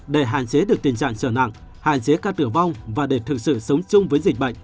để hạn chế được tình trạng trở nặng hạn chế ca tử vong và để thực sự sống chung với dịch bệnh